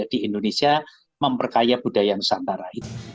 jadi indonesia memperkaya budaya nusantara